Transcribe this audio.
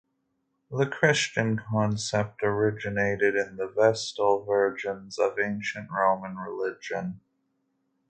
The Christian concept originated in the Vestal Virgins of ancient Roman religion.